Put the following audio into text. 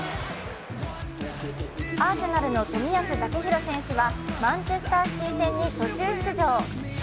アーセナルの冨安健洋選手はマンチェスターシティ戦に途中出場。